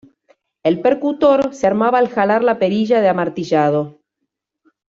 El percutor se armaba al jalar la perilla de amartillado.